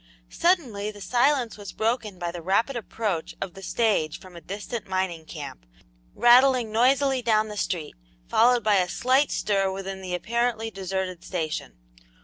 Suddenly the silence was broken by the rapid approach of the stage from a distant mining camp, rattling noisily down the street, followed by a slight stir within the apparently deserted station.